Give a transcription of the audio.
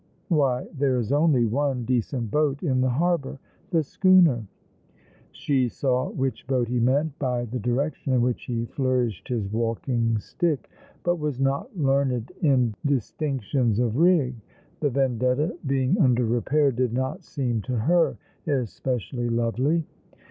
Why, there is only one decent boat in the harbour. The schooner." She saw which boat he meant by the direction in which he flourished his walking stick, but was not' learned in dislinc " Oh Moment One and Infinite /" 35 tions of rig. The Vendetta, being under repair, did not seem to her especially lovely.